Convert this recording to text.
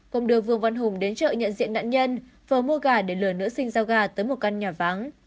công đưa vương văn hùng đến chợ nhận diện nạn nhân phờ mua gà để lừa nữ sinh giao gà tới một căn nhà vắng